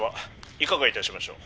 いかがいたしましょう？」。